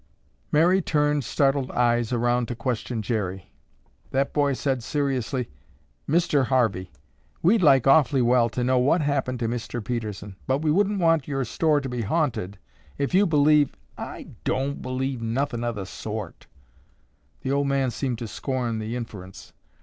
Mary turned startled eyes around to question Jerry. That boy said seriously, "Mr. Harvey, we'd like awfully well to know what happened to Mr. Pedersen, but we wouldn't want your store to be haunted if you believe—" "I don' believe nothin' o' the sort." The old man seemed to scorn the inference.